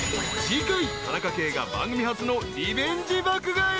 ［次回田中圭が番組初のリベンジ爆買い］